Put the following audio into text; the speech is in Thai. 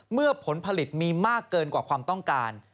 ผลผลิตมีมากเกินกว่าความต้องการ